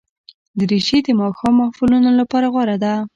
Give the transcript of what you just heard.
دریشي د ماښام محفلونو لپاره غوره ده.